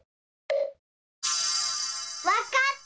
わかった！